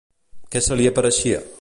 Què se li apareixia?